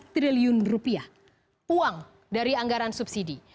tiga triliun rupiah uang dari anggaran subsidi